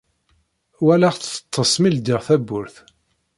Walaɣ-tt teṭṭes mi ldiɣ tawwurt.